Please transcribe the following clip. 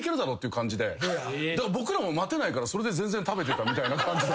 だから僕らも待てないからそれで全然食べてたみたいな感じ。